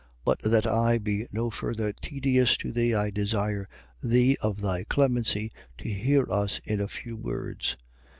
24:4. But that I be no further tedious to thee, I desire thee of thy clemency to hear us in a few words.